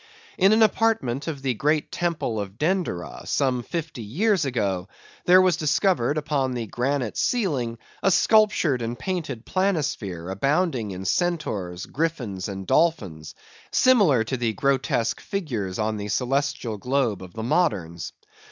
In an apartment of the great temple of Denderah, some fifty years ago, there was discovered upon the granite ceiling a sculptured and painted planisphere, abounding in centaurs, griffins, and dolphins, similar to the grotesque figures on the celestial globe of the moderns.